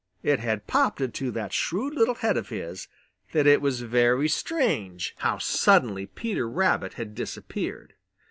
It had popped into that shrewd little head of his that it was very strange how suddenly Peter Rabbit had disappeared.